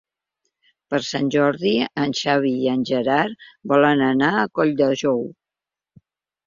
Per Sant Jordi en Xavi i en Gerard volen anar a Colldejou.